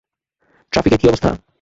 ট্রাফিকের কী অবস্থা?